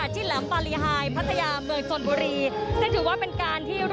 เชิญค่ะ